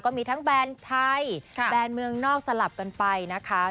มีทั้งแบรนด์ไทยแบรนด์เมืองนอกสลับกันไปนะคะ